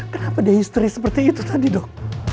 kenapa dia istri seperti itu tadi dok